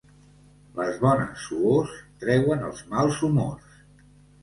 Les bones suors treuen els mals humors.